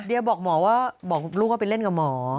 เดี๋ยวบอกหมอว่าบอกลูกว่าไปเล่นกับหมอ